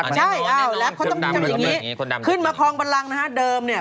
แรปเขาต้องทำอย่างนี้ขึ้นมาคลองพลังเดิมเนี่ย